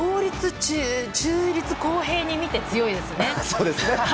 中立公平に見て、強いですね。